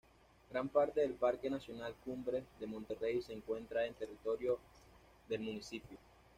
Gran parte del Parque Nacional Cumbres de Monterrey se encuentra en territorio del municipio.